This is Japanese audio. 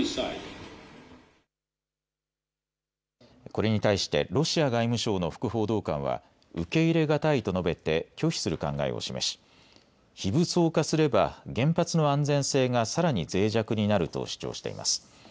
これに対してロシア外務省の副報道官は受け入れ難いと述べて拒否する考えを示し非武装化すれば原発の安全性がさらにぜい弱になると主張しています。